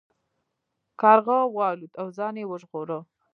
کارغه والوت او ځان یې وژغوره.